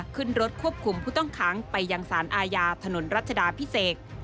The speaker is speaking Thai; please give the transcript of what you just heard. ขึ้นรถควบคุมผู้ต้องขังไปยังสารอาญาถนนรัชดาพิเศษ